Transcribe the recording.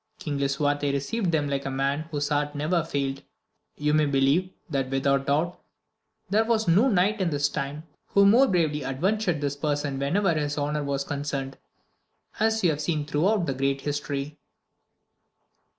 King Lisuarte received them like a man whose heart never failed; you may believe, that without doubt, there was no knight in his time who more bravely adventured his person whenever his honour was concerned, as you have seen throughout this great history.